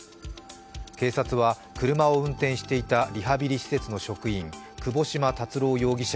警察は車を運転していたリハビリ施設の職員窪島達郎容疑者